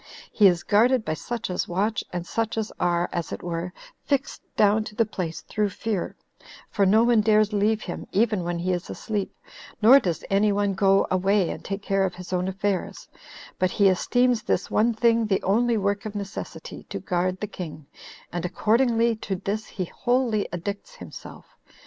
He is guarded by such as watch, and such as are, as it were, fixed down to the place through fear; for no one dares leave him, even when he is asleep, nor does any one go away and take care of his own affairs; but he esteems this one thing the only work of necessity, to guard the king, and accordingly to this he wholly addicts himself.